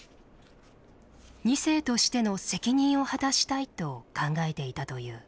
２世としての責任を果たしたいと考えていたという。